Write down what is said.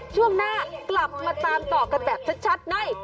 ช่วงหน้ากลับมาตามต่อกันแบบชัดใน